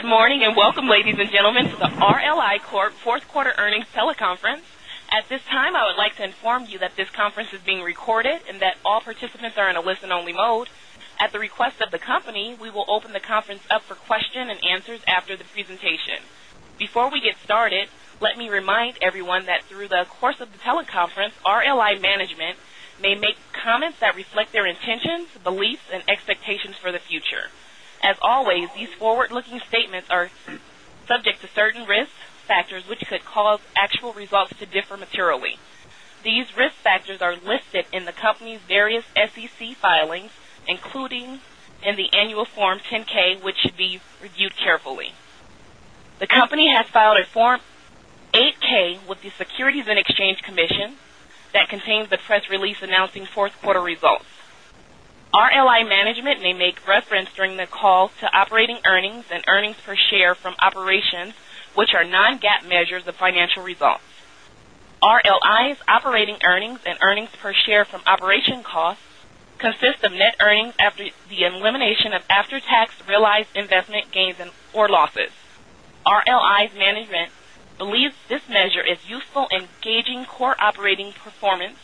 Good morning, and welcome, ladies and gentlemen, to the RLI Corp fourth quarter earnings teleconference. At this time, I would like to inform you that this conference is being recorded and that all participants are in a listen-only mode. At the request of the company, we will open the conference up for question and answers after the presentation. Before we get started, let me remind everyone that through the course of the teleconference, RLI management may make comments that reflect their intentions, beliefs, and expectations for the future. As always, these forward-looking statements are subject to certain risk factors, which could cause actual results to differ materially. These risk factors are listed in the company's various SEC filings, including in the annual Form 10-K, which should be reviewed carefully. The company has filed a Form 8-K with the Securities and Exchange Commission that contains the press release announcing fourth quarter results. RLI management may make reference during the call to operating earnings and earnings per share from operations, which are non-GAAP measures of financial results. RLI's operating earnings and earnings per share from operation costs consist of net earnings after the elimination of after-tax realized investment gains or losses. RLI's management believes this measure is useful in gauging core operating performance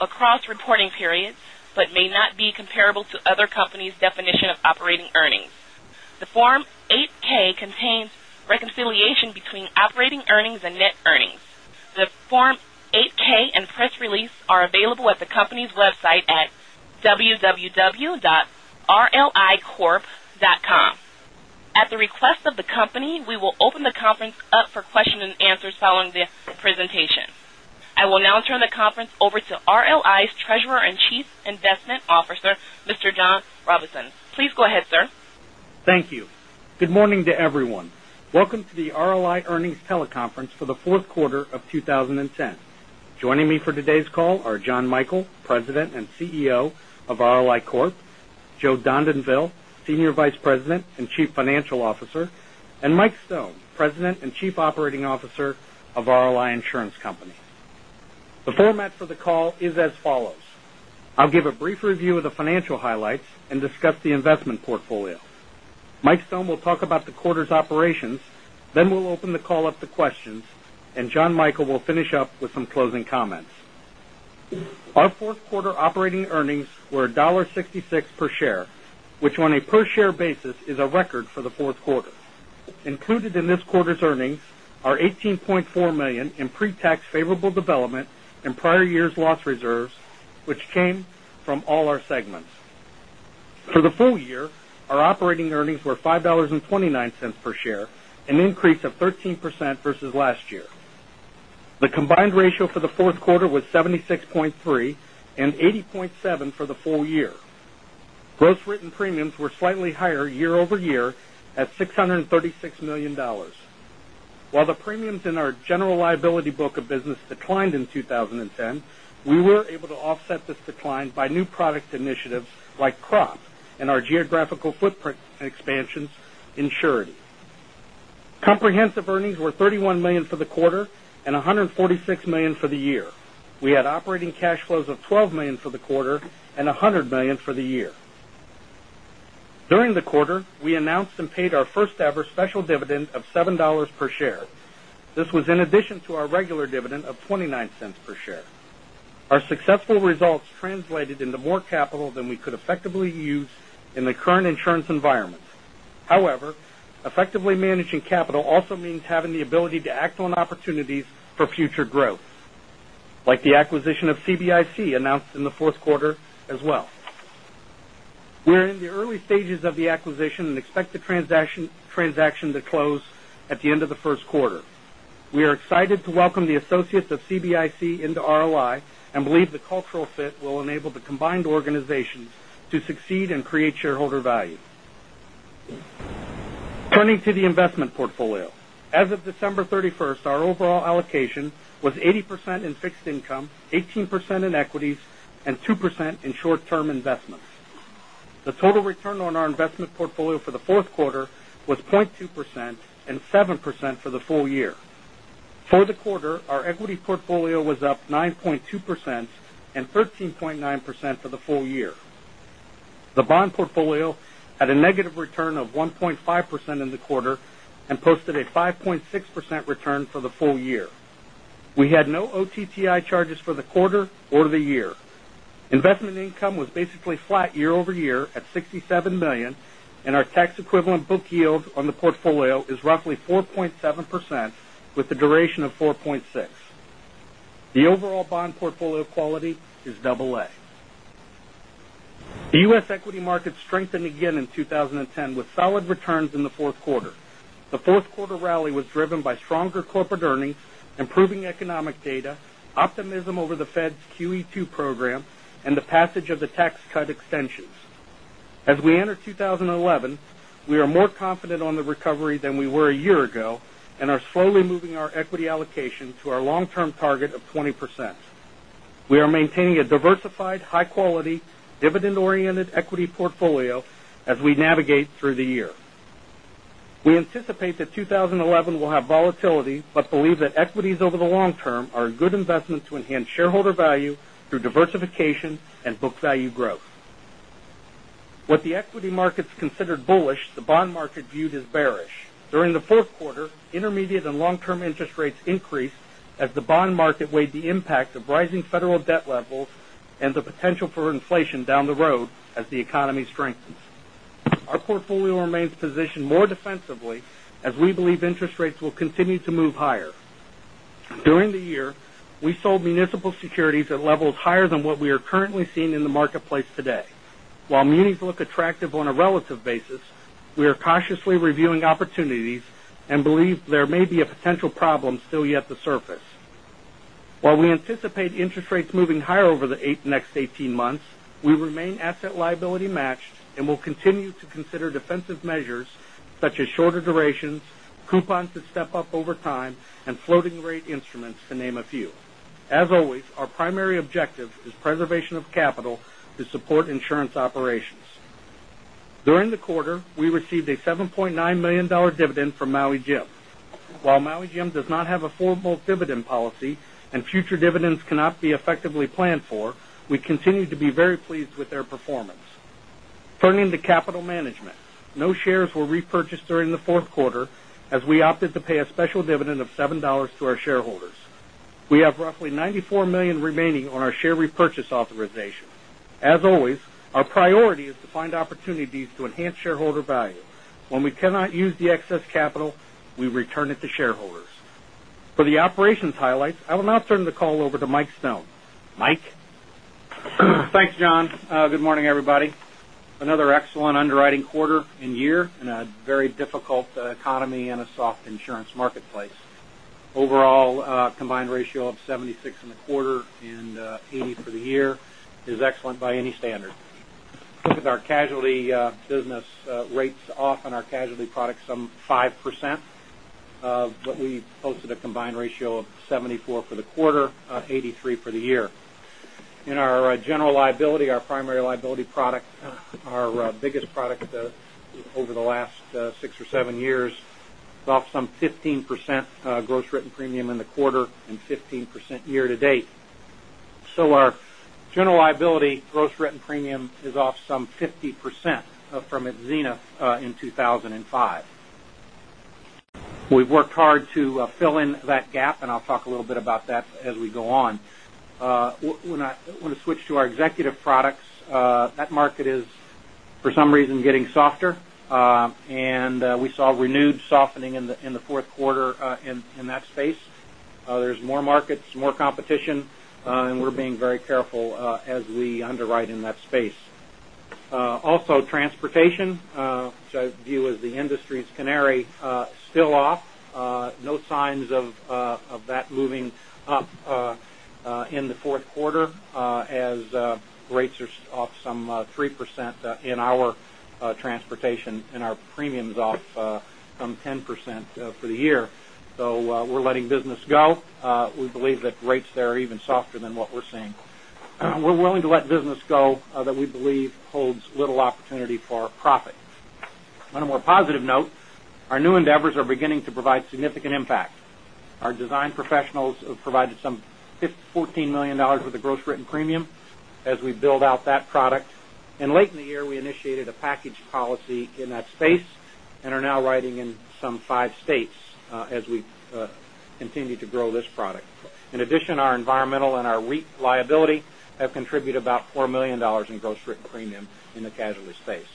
across reporting periods but may not be comparable to other companies' definition of operating earnings. The Form 8-K contains reconciliation between operating earnings and net earnings. The Form 8-K and press release are available at the company's website at www.rlicorp.com. At the request of the company, we will open the conference up for question and answers following the presentation. I will now turn the conference over to RLI's Treasurer and Chief Investment Officer, Mr. John Robison. Please go ahead, sir. Thank you. Good morning to everyone. Welcome to the RLI earnings teleconference for the fourth quarter of 2010. Joining me for today's call are Jonathan Michael, President and CEO of RLI Corp; Joe Dondanville, Senior Vice President and Chief Financial Officer; and Mike Stone, President and Chief Operating Officer of RLI Insurance Company. The format for the call is as follows: I'll give a brief review of the financial highlights and discuss the investment portfolio. Mike Stone will talk about the quarter's operations, we'll open the call up to questions, Jonathan Michael will finish up with some closing comments. Our fourth quarter operating earnings were $1.66 per share, which on a per-share basis is a record for the fourth quarter. Included in this quarter's earnings are $18.4 million in pre-tax favorable development in prior year's loss reserves, which came from all our segments. For the full year, our operating earnings were $5.29 per share, an increase of 13% versus last year. The combined ratio for the fourth quarter was 76.3 and 80.7 for the full year. Gross written premiums were slightly higher year-over-year at $636 million. While the premiums in our general liability book of business declined in 2010, we were able to offset this decline by new product initiatives like crop and our geographical footprint expansions in surety. Comprehensive earnings were $31 million for the quarter and $146 million for the year. We had operating cash flows of $12 million for the quarter and $100 million for the year. During the quarter, we announced and paid our first-ever special dividend of $7 per share. This was in addition to our regular dividend of $0.29 per share. Our successful results translated into more capital than we could effectively use in the current insurance environment. Effectively managing capital also means having the ability to act on opportunities for future growth, like the acquisition of CBIC, announced in the fourth quarter as well. We're in the early stages of the acquisition and expect the transaction to close at the end of the first quarter. We are excited to welcome the associates of CBIC into RLI and believe the cultural fit will enable the combined organizations to succeed and create shareholder value. Turning to the investment portfolio. As of December 31st, our overall allocation was 80% in fixed income, 18% in equities, and 2% in short-term investments. The total return on our investment portfolio for the fourth quarter was 0.2% and 7% for the full year. For the quarter, our equity portfolio was up 9.2% and 13.9% for the full year. The bond portfolio had a negative return of 1.5% in the quarter and posted a 5.6% return for the full year. We had no OTTI charges for the quarter or the year. Investment income was basically flat year-over-year at $67 million, and our tax-equivalent book yield on the portfolio is roughly 4.7% with a duration of 4.6. The overall bond portfolio quality is double A. The U.S. equity market strengthened again in 2010 with solid returns in the fourth quarter. The fourth quarter rally was driven by stronger corporate earnings, improving economic data, optimism over the Fed's QE2 program, and the passage of the tax cut extensions. As we enter 2011, we are more confident on the recovery than we were a year ago and are slowly moving our equity allocation to our long-term target of 20%. We are maintaining a diversified, high-quality, dividend-oriented equity portfolio as we navigate through the year. We anticipate that 2011 will have volatility but believe that equities over the long term are a good investment to enhance shareholder value through diversification and book value growth. What the equity markets considered bullish, the bond market viewed as bearish. During the fourth quarter, intermediate and long-term interest rates increased as the bond market weighed the impact of rising federal debt levels and the potential for inflation down the road as the economy strengthens. Our portfolio remains positioned more defensively as we believe interest rates will continue to move higher. During the year, we sold municipal securities at levels higher than what we are currently seeing in the marketplace today. While munis look attractive on a relative basis, we are cautiously reviewing opportunities and believe there may be a potential problem still yet to surface. While we anticipate interest rates moving higher over the next 18 months, we remain asset-liability matched and will continue to consider defensive measures such as shorter durations, coupons that step up over time, and floating rate instruments, to name a few. As always, our primary objective is preservation of capital to support insurance operations. During the quarter, we received a $7.9 million dividend from Maui Jim. While Maui Jim does not have a formal dividend policy and future dividends cannot be effectively planned for, we continue to be very pleased with their performance. Turning to capital management. No shares were repurchased during the fourth quarter as we opted to pay a special dividend of $7 to our shareholders. We have roughly $94 million remaining on our share repurchase authorization. As always, our priority is to find opportunities to enhance shareholder value. When we cannot use the excess capital, we return it to shareholders. For the operations highlights, I will now turn the call over to Mike Stone. Mike? Thanks, John. Good morning, everybody. Another excellent underwriting quarter and year in a very difficult economy and a soft insurance marketplace. Overall, a combined ratio of 76 in the quarter and 80 for the year is excellent by any standard. Looking at our casualty business, rates off on our casualty products 5%, but we posted a combined ratio of 74 for the quarter, 83 for the year. In our general liability, our primary liability product, our biggest product over the last six or seven years, is off 15% gross written premium in the quarter and 15% year to date. Our general liability gross written premium is off 50% from its zenith in 2005. We've worked hard to fill in that gap, and I'll talk a little bit about that as we go on. When I switch to our executive products, that market is, for some reason, getting softer. We saw renewed softening in the fourth quarter in that space. There's more markets, more competition, and we're being very careful as we underwrite in that space. Also, transportation, which I view as the industry's canary, still off. No signs of that moving up in the fourth quarter as rates are off 3% in our transportation, and our premium's off 10% for the year. We're letting business go. We believe that rates there are even softer than what we're seeing. We're willing to let business go that we believe holds little opportunity for profit. On a more positive note, our new endeavors are beginning to provide significant impact. Our design professionals have provided $14 million worth of gross written premium as we build out that product. Late in the year, we initiated a package policy in that space and are now writing in some five states as we continue to grow this product. In addition, our environmental and our REIT liability have contributed about $4 million in gross written premium in the casualty space.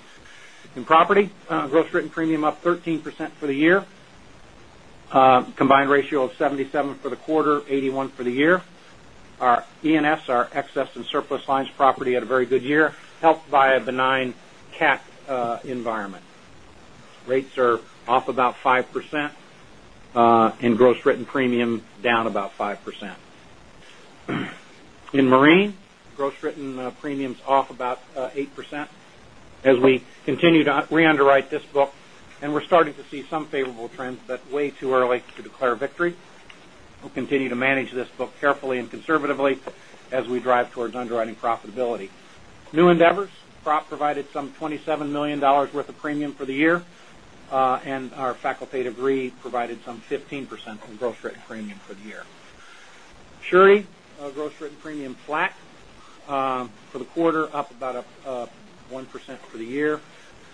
In property, gross written premium up 13% for the year. Combined ratio of 77 for the quarter, 81 for the year. Our ENS, our excess and surplus lines property, had a very good year, helped by a benign cat environment. Rates are off about 5%, and gross written premium down about 5%. In marine, gross written premium's off about 8% as we continue to re-underwrite this book, and we're starting to see some favorable trends, but way too early to declare victory. We'll continue to manage this book carefully and conservatively as we drive towards underwriting profitability. New endeavors, prop provided some $27 million worth of premium for the year, and our facultative RE provided some 15% in gross written premium for the year. Surety, gross written premium flat for the quarter, up about 1% for the year.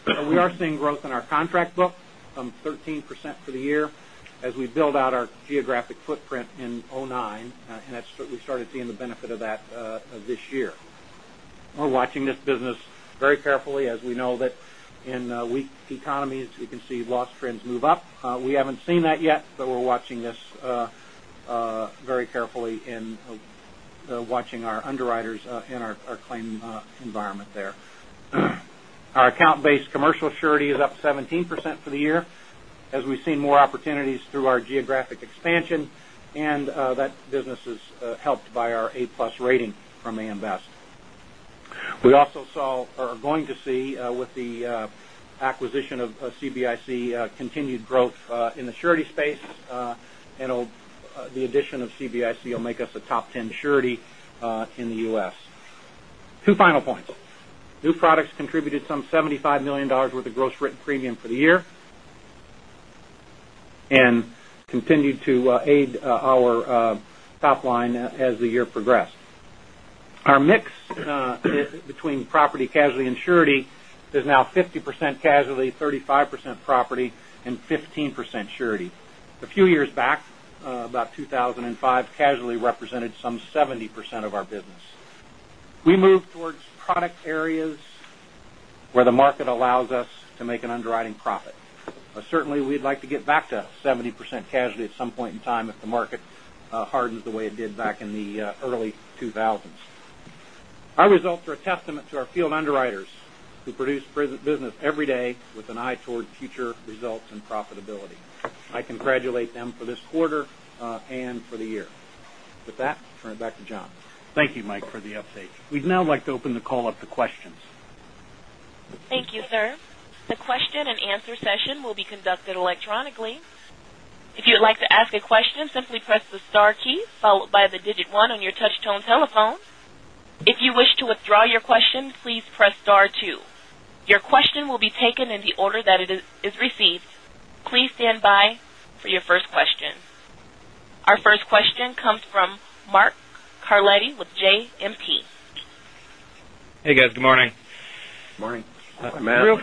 But we are seeing growth in our contract book, some 13% for the year, as we build out our geographic footprint in 2009. We started seeing the benefit of that this year. We're watching this business very carefully as we know that in weak economies, we can see loss trends move up. We haven't seen that yet, but we're watching this very carefully and watching our underwriters in our claim environment there. Our account-based commercial surety is up 17% for the year as we've seen more opportunities through our geographic expansion, and that business is helped by our A+ rating from AM Best. We also are going to see, with the acquisition of CBIC, continued growth in the surety space, and the addition of CBIC will make us a top 10 surety in the U.S. Two final points. New products contributed some $75 million worth of gross written premium for the year. Continued to aid our top line as the year progressed. Our mix between property casualty and surety is now 50% casualty, 35% property, and 15% surety. A few years back, about 2005, casualty represented some 70% of our business. We moved towards product areas where the market allows us to make an underwriting profit. Certainly, we'd like to get back to 70% casualty at some point in time if the market hardens the way it did back in the early 2000s. Our results are a testament to our field underwriters who produce business every day with an eye toward future results and profitability. I congratulate them for this quarter and for the year. With that, turn it back to John. Thank you, Mike, for the update. We'd now like to open the call up to questions. Thank you, sir. The question and answer session will be conducted electronically. If you'd like to ask a question, simply press the star key followed by the digit one on your touch-tone telephone. If you wish to withdraw your question, please press star two. Your question will be taken in the order that it is received. Please stand by for your first question. Our first question comes from Matthew Carletti with JMP. Hey, guys. Good morning. Morning. Morning.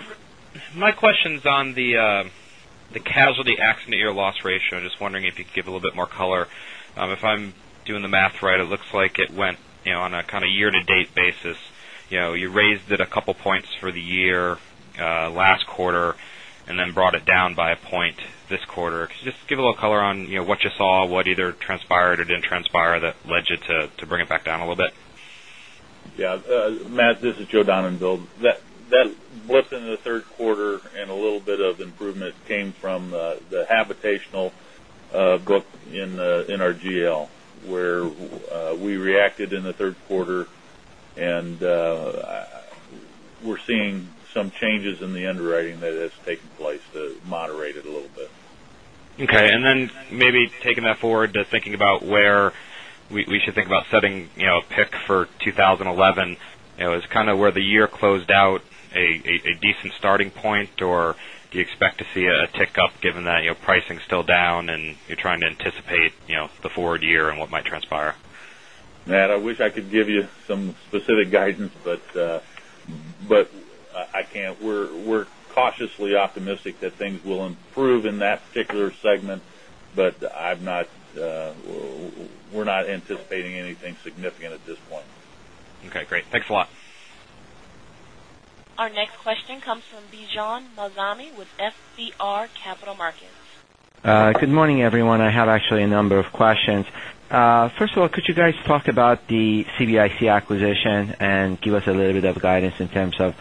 My question's on the casualty accident year loss ratio. Just wondering if you could give a little bit more color. If I'm doing the math right, it looks like it went on a kind of year-to-date basis. You raised it a couple points for the year, last quarter, and then brought it down by a point this quarter. Could you just give a little color on what you saw, what either transpired or didn't transpire that led you to bring it back down a little bit? Yeah. Matt, this is Joe Donenfeld. That blip in the third quarter and a little bit of improvement came from the habitational book in our GL, where we reacted in the third quarter. We're seeing some changes in the underwriting that has taken place to moderate it a little bit. Okay. Then maybe taking that forward to thinking about where we should think about setting a pick for 2011. Is kind of where the year closed out a decent starting point, or do you expect to see a tick up given that your pricing's still down and you're trying to anticipate the forward year and what might transpire? Matt, I wish I could give you some specific guidance. I can't. We're cautiously optimistic that things will improve in that particular segment. We're not anticipating anything significant at this point. Okay, great. Thanks a lot. Our next question comes from Bijan Mazami with FBR Capital Markets. Good morning, everyone. I have actually a number of questions. First of all, could you guys talk about the CBIC acquisition and give us a little bit of guidance in terms of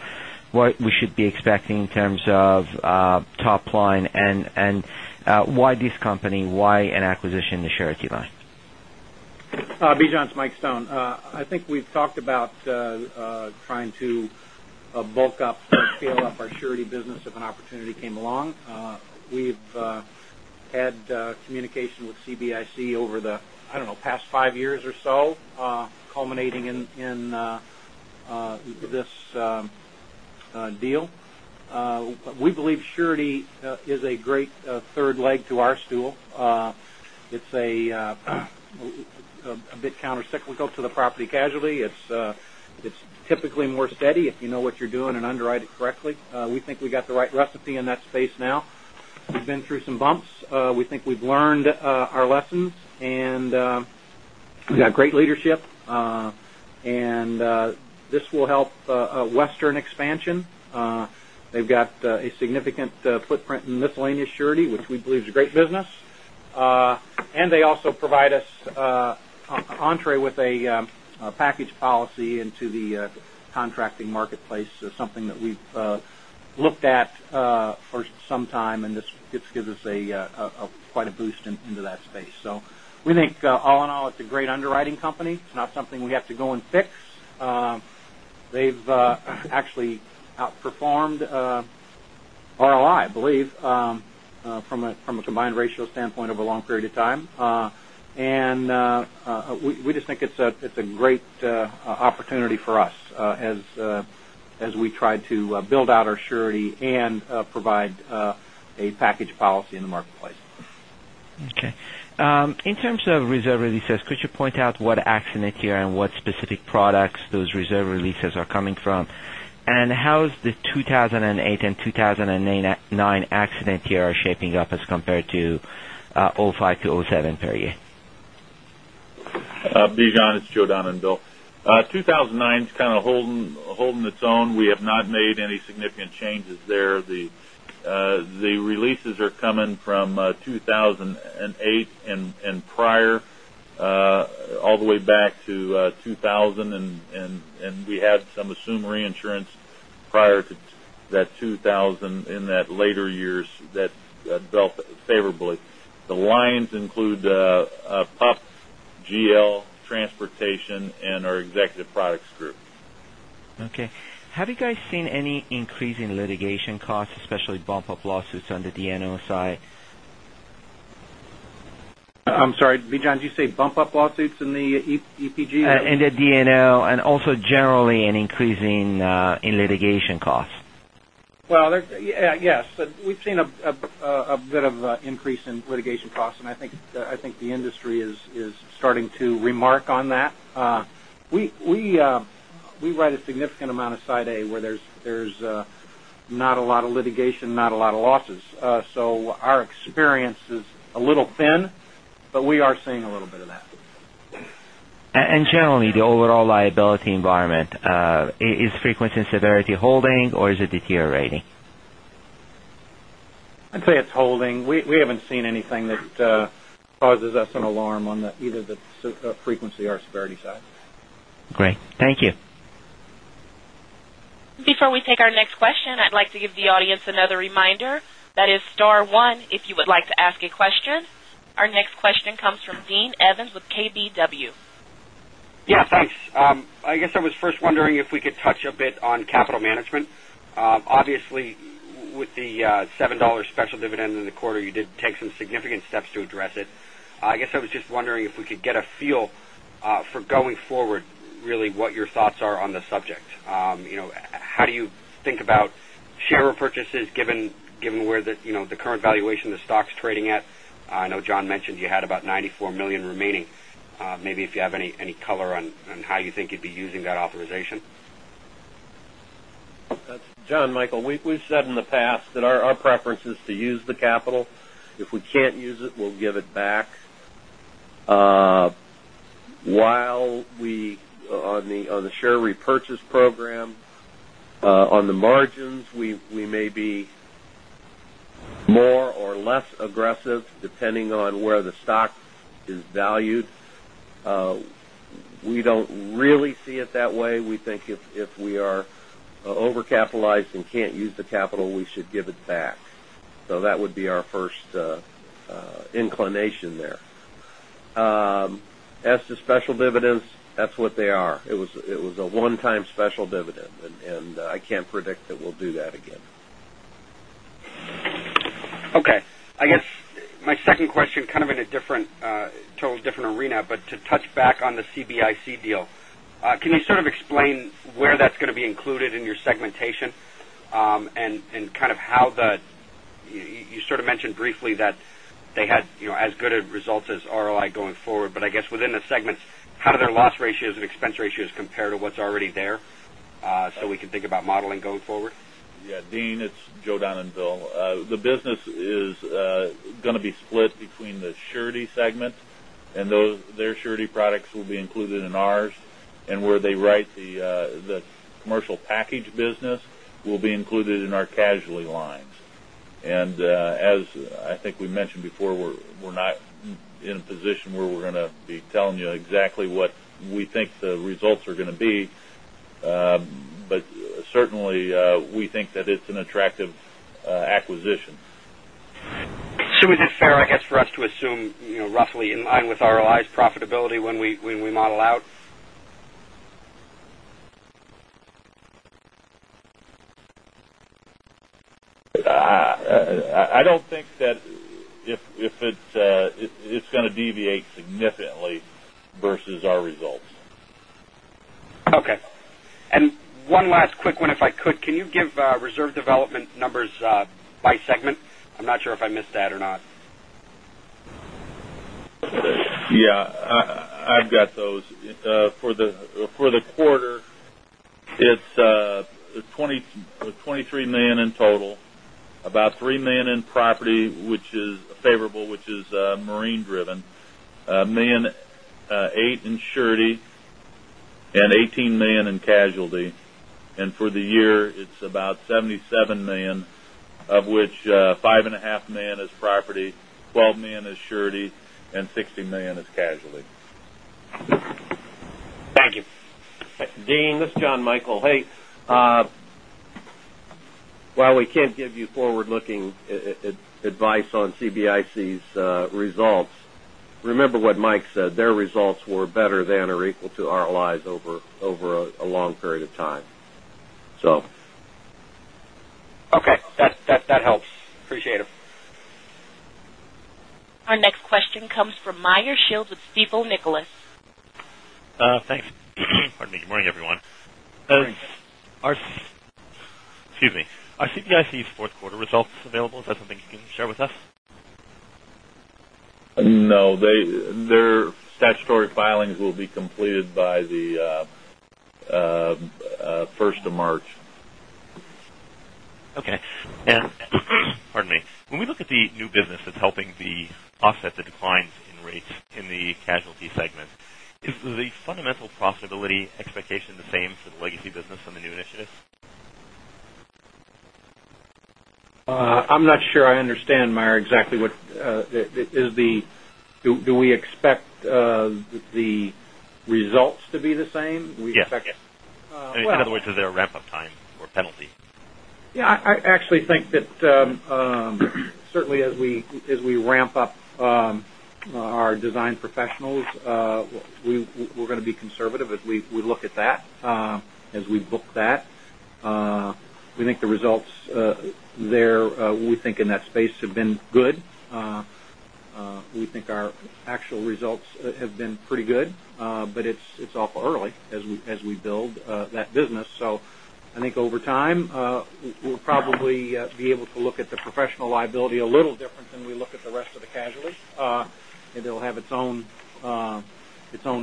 what we should be expecting in terms of top line? Why this company? Why an acquisition in the surety line? Bijan, it's Mike Stone. I think we've talked about trying to bulk up or scale up our surety business if an opportunity came along. We've had communication with CBIC over the, I don't know, past five years or so, culminating in this deal. We believe surety is a great third leg to our stool. It's a bit countercyclical to the property casualty. It's typically more steady if you know what you're doing and underwrite it correctly. We think we got the right recipe in that space now. We've been through some bumps. We think we've learned our lessons, and we've got great leadership. This will help western expansion. They've got a significant footprint in miscellaneous surety, which we believe is a great business. They also provide us entree with a package policy into the contracting marketplace. Something that we've looked at for some time, and this gives us quite a boost into that space. We think all in all, it's a great underwriting company. It's not something we have to go and fix. They've actually outperformed RLI, I believe, from a combined ratio standpoint over a long period of time. We just think it's a great opportunity for us as we try to build out our surety and provide a package policy in the marketplace. Okay. In terms of reserve releases, could you point out what accident year and what specific products those reserve releases are coming from? How is the 2008 and 2009 accident year shaping up as compared to 2005 to 2007 period? Bijan, it's Joe Donenfeld. 2009 is kind of holding its own. We have not made any significant changes there. The releases are coming from 2008 and prior, all the way back to 2000, and we had some assumed reinsurance prior to that 2000 in that later years that built favorably. The lines include PUPs, GL, transportation, and our executive products group. Okay. Have you guys seen any increase in litigation costs, especially bump-up lawsuits under the D&O insurance? I'm sorry, Bijan, did you say bump up lawsuits in the EPG? The D&O, and also generally an increase in litigation costs. Well, yes. We've seen a bit of increase in litigation costs, and I think the industry is starting to remark on that. We write a significant amount of Side A, where there's not a lot of litigation, not a lot of lawsuits. Our experience is a little thin, but we are seeing a little bit of that. Generally, the overall liability environment, is frequency and severity holding, or is it deteriorating? I'd say it's holding. We haven't seen anything that causes us an alarm on either the frequency or severity side. Great. Thank you. Before we take our next question, I'd like to give the audience another reminder. That is star one if you would like to ask a question. Our next question comes from Dean Evans with KBW. Yes, thanks. I guess I was first wondering if we could touch a bit on capital management. Obviously, with the $7 special dividend in the quarter, you did take some significant steps to address it. I guess I was just wondering if we could get a feel for going forward, really what your thoughts are on the subject. How do you think about share repurchases, given where the current valuation of the stock's trading at? I know John mentioned you had about $94 million remaining. Maybe if you have any color on how you think you'd be using that authorization. John, Michael, we've said in the past that our preference is to use the capital. If we can't use it, we'll give it back. While we are on the share repurchase program, on the margins, we may be more or less aggressive, depending on where the stock is valued. We don't really see it that way. We think if we are overcapitalized and can't use the capital, we should give it back. That would be our first inclination there. As to special dividends, that's what they are. It was a one-time special dividend, and I can't predict that we'll do that again. Okay. I guess my second question, in a totally different arena, but to touch back on the CBIC deal. Can you explain where that's going to be included in your segmentation? You mentioned briefly that they had as good of results as RLI going forward, but I guess within the segments, how do their loss ratios and expense ratios compare to what's already there so we can think about modeling going forward? Yeah. Dean, it's Joe Donenfeld. The business is going to be split between the surety segment, their surety products will be included in ours. Where they write the commercial package business will be included in our casualty lines. As I think we mentioned before, we're not in a position where we're going to be telling you exactly what we think the results are going to be. Certainly, we think that it's an attractive acquisition. Is it fair, I guess, for us to assume roughly in line with RLI's profitability when we model out? I don't think that it's going to deviate significantly versus our results. Okay. One last quick one, if I could. Can you give reserve development numbers by segment? I'm not sure if I missed that or not. Yeah. I've got those. For the quarter, it's $23 million in total. About $3 million in property, which is favorable, which is marine-driven. $1.8 million in surety and $18 million in casualty. For the year, it's about $77 million, of which $5.5 million is property, $12 million is surety, and $60 million is casualty. Thank you. Dean, this is Jonathan Michael. Hey. While we can't give you forward-looking advice on CBIC's results, remember what Mike said. Their results were better than or equal to RLI's over a long period of time. Okay. That helps. Appreciate it. Our next question comes from Meyer Shields with Stifel Nicolaus. Thanks. Pardon me. Good morning, everyone. Good morning. Excuse me. Are CBIC's fourth quarter results available? Is that something you can share with us? No. Their statutory filings will be completed by the 1st of March. Okay. Pardon me. When we look at the new business that's helping to offset the declines in rates in the casualty segment, is the fundamental profitability expectation the same for the legacy business on the new initiatives? I'm not sure I understand, Meyer, exactly. Do we expect the results to be the same? Yes. Well- In other words, is there a ramp-up time or penalty? Yeah. I actually think that certainly as we ramp up our design professionals, we're going to be conservative as we look at that, as we book that. We think the results there in that space have been good. We think our actual results have been pretty good. It's awful early as we build that business. I think over time, we'll probably be able to look at the professional liability a little different than we look at the rest of the casualties. It'll have its own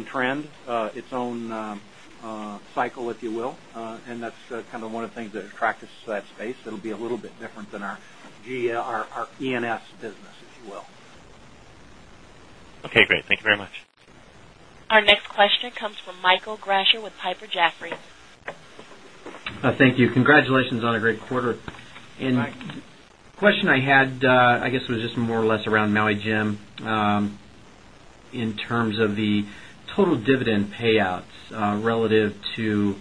trend, its own cycle, if you will. That's one of the things that attracted us to that space. It'll be a little bit different than our ENS business. Okay, great. Thank you very much. Our next question comes from Michael Grashey with Piper Jaffray. Thank you. Congratulations on a great quarter. Thanks. The question I had, I guess, was just more or less around Maui Jim in terms of the total dividend payouts relative to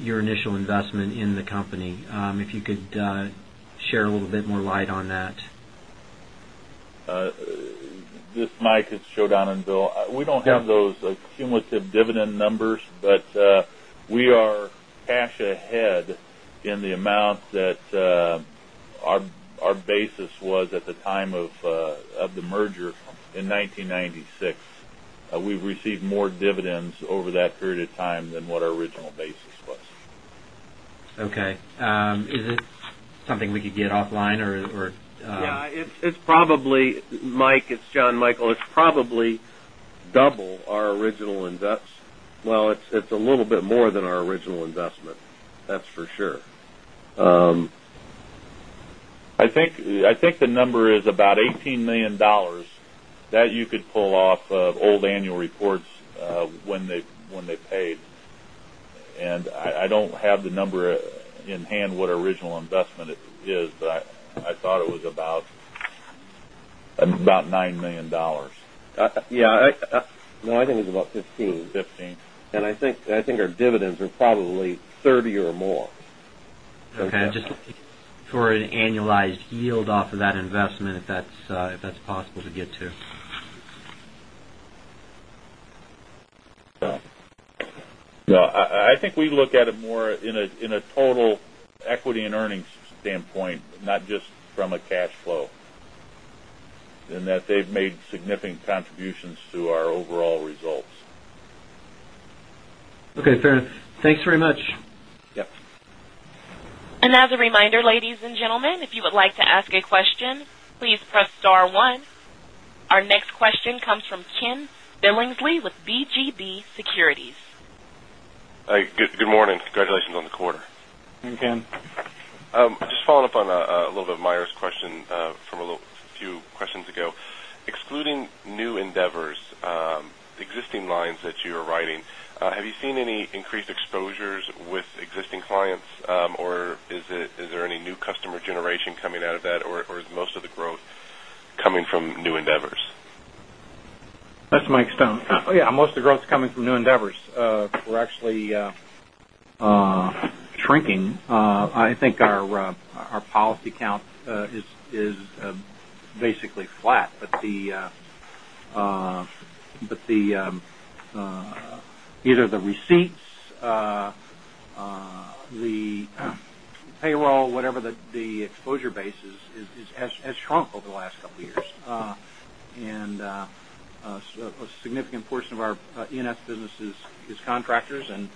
your initial investment in the company. If you could share a little bit more light on that. This is Mike. It's Joe, Don, and Bill. We don't have those cumulative dividend numbers. We are cash ahead in the amount that our basis was at the time of the merger in 1996. We've received more dividends over that period of time than what our original basis was. Okay. Is it something we could get offline or? Yeah, Mike, it's Jonathan Michael. It's probably double our original, well, it's a little bit more than our original investment, that's for sure. I think the number is about $18 million. That you could pull off of old annual reports when they paid. I don't have the number in hand what our original investment is, but I thought it was about $9 million. Yeah. No, I think it was about $15 million. 15. I think our dividends are probably $30 million or more. Okay. Just for an annualized yield off of that investment, if that's possible to get to. No, I think we look at it more in a total equity and earnings standpoint, not just from a cash flow, in that they've made significant contributions to our overall results. Okay, fair enough. Thanks very much. Yep. As a reminder, ladies and gentlemen, if you would like to ask a question, please press star one. Our next question comes from Ken Billingsley with BGB Securities. Good morning. Congratulations on the quarter. Thanks, Ken. Just following up on a little bit of Meyer's question from a few questions ago. Excluding new endeavors, existing lines that you are writing, have you seen any increased exposures with existing clients? Is there any new customer generation coming out of that, or is most of the growth coming from new endeavors? This is Mike Stone. Yeah, most of the growth's coming from new endeavors. We're actually shrinking. I think our policy count is basically flat. Either the receipts, the payroll, whatever the exposure base is, has shrunk over the last couple of years. A significant portion of our ENS business is contractors, and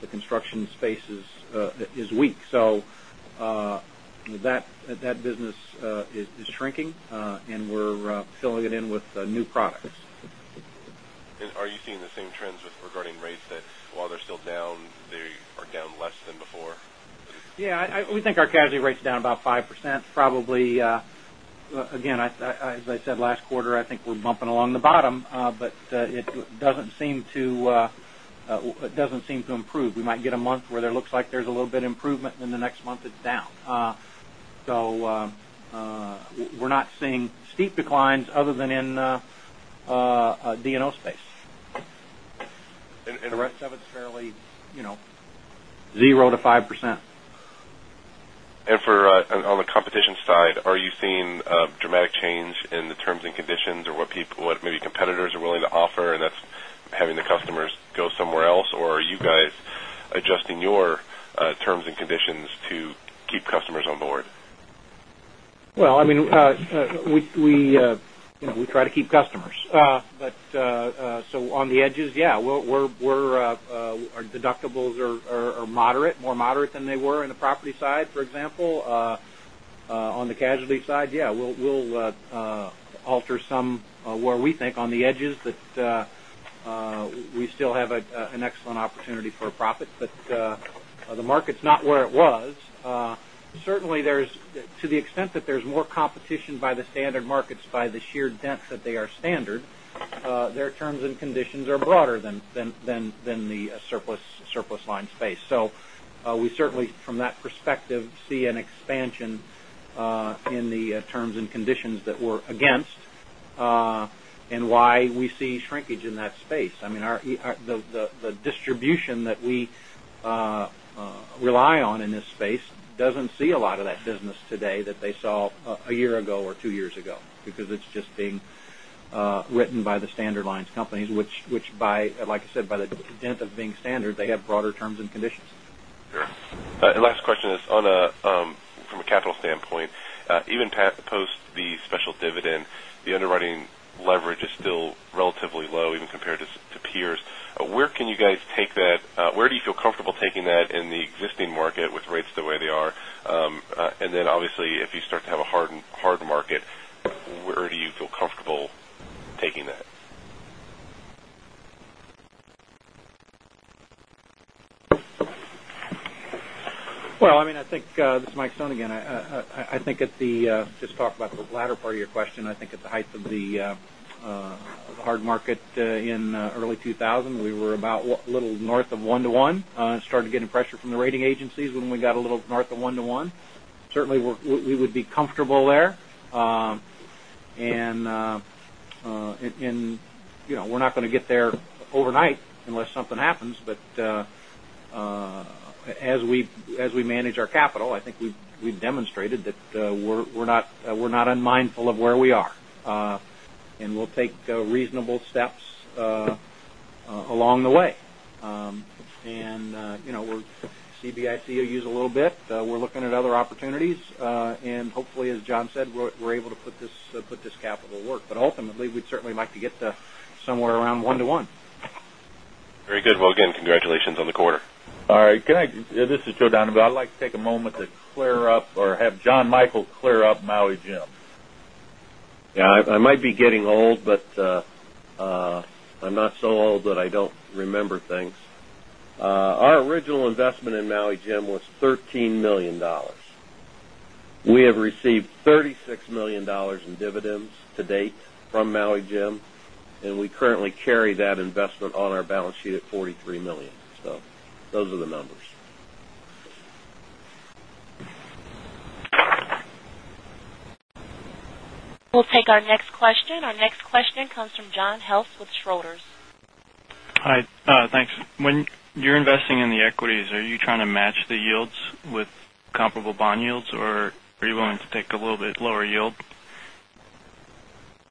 the construction space is weak. That business is shrinking, and we're filling it in with new products. Are you seeing the same trends regarding rates that while they're still down, they are down less than before? Yeah, we think our casualty rate's down about 5%, probably. Again, as I said last quarter, I think we're bumping along the bottom. It doesn't seem to improve. We might get a month where there looks like there's a little bit of improvement. The next month it's down. We're not seeing steep declines other than in D&O space. The rest of it's fairly- 0%-5%. On the competition side, are you seeing a dramatic change in the terms and conditions or what maybe competitors are willing to offer, and that's having the customers go somewhere else? Or are you guys adjusting your terms and conditions to keep customers on board? Well, we try to keep customers. On the edges, yeah. Our deductibles are more moderate than they were in the property side, for example. On the casualty side, yeah, we'll alter some where we think on the edges that we still have an excellent opportunity for profit. The market's not where it was. Certainly, to the extent that there's more competition by the standard markets by the sheer depth that they are standard, their terms and conditions are broader than the surplus line space. We certainly, from that perspective, see an expansion in the terms and conditions that we're against and why we see shrinkage in that space. The distribution that we rely on in this space doesn't see a lot of that business today that they saw a year ago or two years ago because it's just being Written by the standard lines companies, which by, like I said, by the dint of being standard, they have broader terms and conditions. Sure. Last question is from a capital standpoint. Even past post the special dividend, the underwriting leverage is still relatively low even compared to peers. Where do you feel comfortable taking that in the existing market with rates the way they are? Obviously, if you start to have a hard market, where do you feel comfortable taking that? Well, this is Mike Stone again. Just talk about the latter part of your question. I think at the height of the hard market in early 2000, we were about a little north of one to one. Started getting pressure from the rating agencies when we got a little north of one to one. Certainly, we would be comfortable there. We're not going to get there overnight unless something happens. As we manage our capital, I think we've demonstrated that we're not unmindful of where we are. We'll take reasonable steps along the way. CBIC will use a little bit. We're looking at other opportunities. Hopefully, as John said, we're able to put this capital to work. Ultimately, we'd certainly like to get to somewhere around one to one. Very good. Well, again, congratulations on the quarter. All right. This is Joe Donenfeld. I'd like to take a moment to clear up or have Jonathan Michael clear up Maui Jim. Yeah, I might be getting old, but I'm not so old that I don't remember things. Our original investment in Maui Jim was $13 million. We have received $36 million in dividends to date from Maui Jim, and we currently carry that investment on our balance sheet at $43 million. Those are the numbers. We'll take our next question. Our next question comes from John Heltz with Schroders. Hi, thanks. When you're investing in the equities, are you trying to match the yields with comparable bond yields, or are you willing to take a little bit lower yield?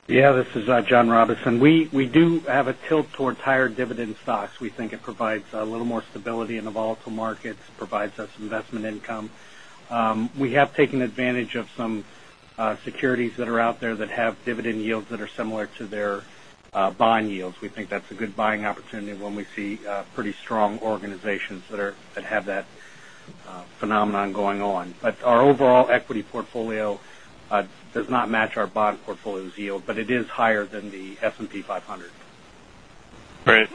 Yeah, this is John Robison. We do have a tilt towards higher dividend stocks. We think it provides a little more stability in the volatile markets, provides us investment income. We have taken advantage of some securities that are out there that have dividend yields that are similar to their bond yields. We think that's a good buying opportunity when we see pretty strong organizations that have that phenomenon going on. Our overall equity portfolio does not match our bond portfolio's yield, but it is higher than the S&P 500. Great.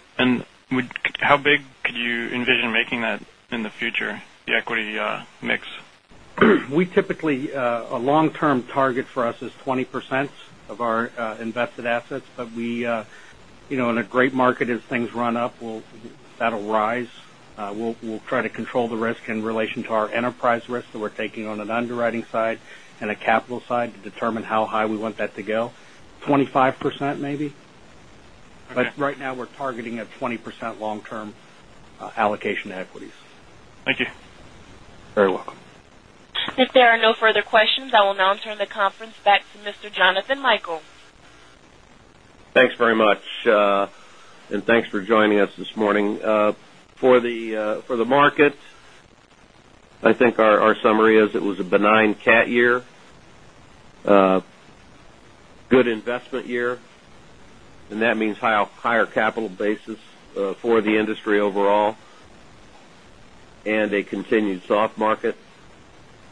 How big could you envision making that in the future, the equity mix? A long-term target for us is 20% of our invested assets, in a great market, as things run up, that'll rise. We'll try to control the risk in relation to our enterprise risk that we're taking on an underwriting side and a capital side to determine how high we want that to go. 25% maybe. Okay. Right now, we're targeting a 20% long-term allocation to equities. Thank you. Very welcome. If there are no further questions, I will now turn the conference back to Mr. Jonathan Michael. Thanks very much. Thanks for joining us this morning. For the market, I think our summary is it was a benign cat year. Good investment year, and that means higher capital basis for the industry overall and a continued soft market.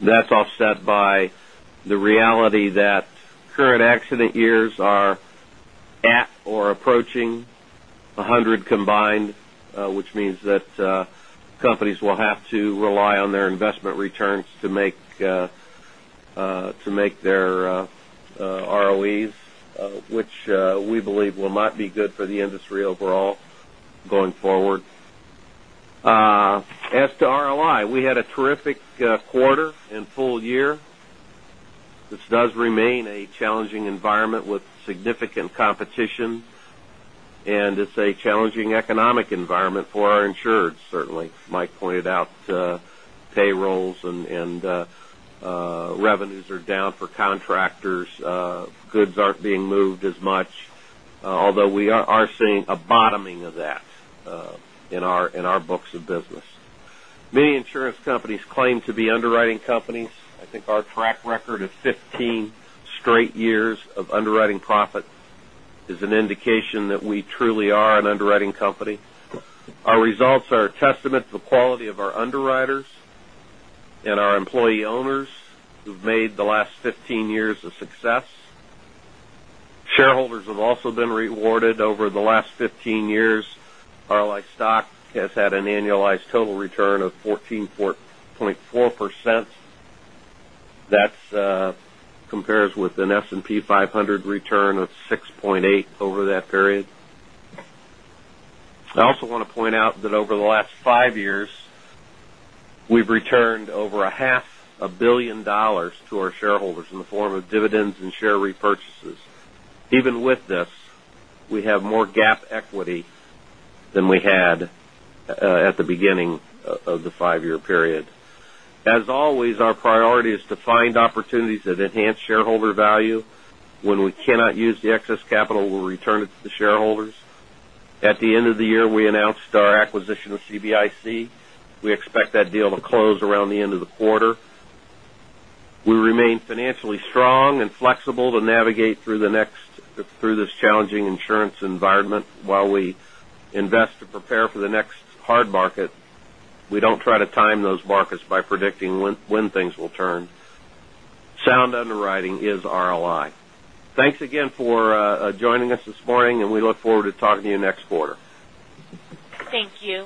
That is offset by the reality that current accident years are at or approaching 100 combined, which means that companies will have to rely on their investment returns to make their ROE which we believe might be good for the industry overall going forward. As to RLI, we had a terrific quarter and full year. This does remain a challenging environment with significant competition, and it is a challenging economic environment for our insureds, certainly. Mike pointed out payrolls and revenues are down for contractors. Goods aren't being moved as much. Although we are seeing a bottoming of that in our books of business. Many insurance companies claim to be underwriting companies. I think our track record of 15 straight years of underwriting profit is an indication that we truly are an underwriting company. Our results are a testament to the quality of our underwriters and our employee owners who have made the last 15 years a success. Shareholders have also been rewarded over the last 15 years. RLI stock has had an annualized total return of 14.4%. That compares with an S&P 500 return of 6.8% over that period. I also want to point out that over the last 5 years, we have returned over a half a billion dollars to our shareholders in the form of dividends and share repurchases. Even with this, we have more GAAP equity than we had at the beginning of the 5-year period. As always, our priority is to find opportunities that enhance shareholder value. When we cannot use the excess capital, we will return it to the shareholders. At the end of the year, we announced our acquisition of CBIC. We expect that deal to close around the end of the quarter. We remain financially strong and flexible to navigate through this challenging insurance environment while we invest to prepare for the next hard market. We don't try to time those markets by predicting when things will turn. Sound underwriting is RLI. Thanks again for joining us this morning. We look forward to talking to you next quarter. Thank you